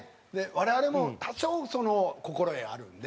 我々も多少心得あるんで。